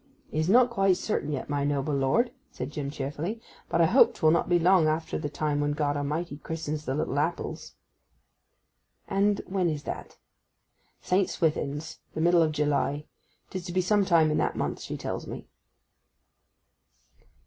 'It is not quite certain yet, my noble lord,' said Jim cheerfully. 'But I hope 'twill not be long after the time when God A'mighty christens the little apples.' 'And when is that?' 'St. Swithin's—the middle of July. 'Tis to be some time in that month, she tells me.